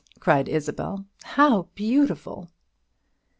cried Isabel; "how beautiful!"